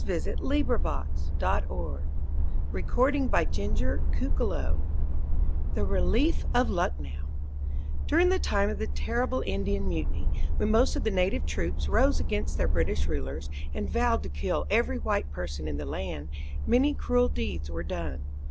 [Illustration: QUEEN VICTORIA VISITS HER WOUNDED SOLDIERS] =The Relief of Lucknow= During the time of the terrible Indian Mutiny, when most of the native troops rose against their British rulers, and vowed to kill every white person in the land, many cruel deeds were done.